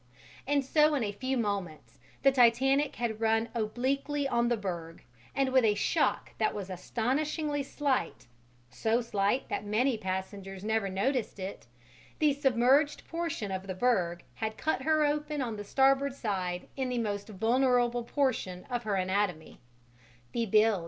And so in a few moments the Titanic had run obliquely on the berg, and with a shock that was astonishingly slight so slight that many passengers never noticed it the submerged portion of the berg had cut her open on the starboard side in the most vulnerable portion of her anatomy the bilge.